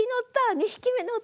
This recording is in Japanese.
２匹目乗った！」